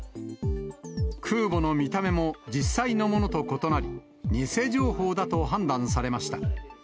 空母の見た目も実際のものと異なり、偽情報だと判断されました。